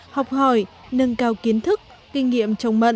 học hỏi nâng cao kiến thức kinh nghiệm trồng mận